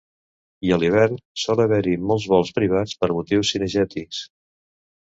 I a l'hivern sol haver-hi molts vols privats per motius cinegètics.